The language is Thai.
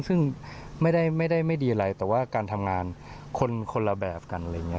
ซึ่งไม่ได้ไม่ดีอะไรแต่ว่าการทำงานคนคนละแบบกัน